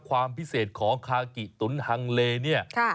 ความพิเศษของคากิตุ๋นฮังเลเนี่ย